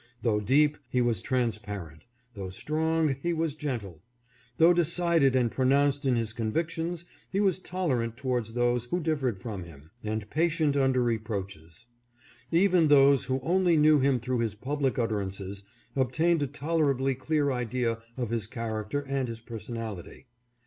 Though deep, he was transparent; though strong, he was gentle; though decided and pronounced in his convictions, he was toler ant towards those who differed from him, and patient under reproaches. Even those who only knew him through his public utterances obtained a tolerably clear idea of his character and his personality.